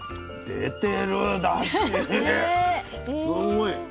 すごい。